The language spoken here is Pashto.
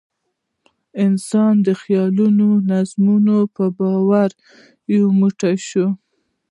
انسان د خیالي نظامونو په باور یو موټی شوی.